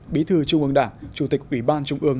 bí thư trung ương đảng chủ tịch ủy ban trung ương